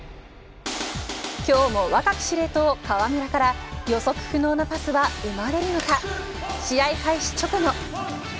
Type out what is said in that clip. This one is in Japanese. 今日も若き司令塔、河村から予測不能なパスは生まれるのか。